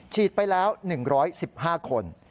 ฉีดไปแล้ว๑๑๕คน